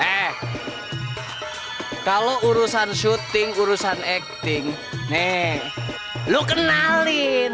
eh kalau urusan syuting urusan akting nih lu kenalin